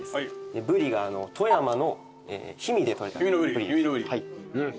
ブリが富山の氷見で取れたブリです。